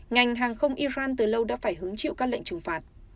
ngành hàng không iran từ lâu đã phải hứng chịu các lệnh trừng phạt